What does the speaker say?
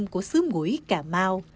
của xứ mũi cà mau